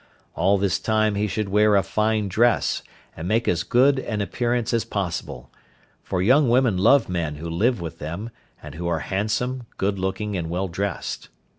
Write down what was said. All this time he should wear a fine dress, and make as good an appearance as possible, for young women love men who live with them, and who are handsome, good looking and well dressed.